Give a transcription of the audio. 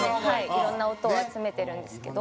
いろんな音を集めてるんですけど。